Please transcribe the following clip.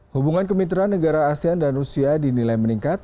hubungan kemitraan negara asean dan rusia dinilai meningkat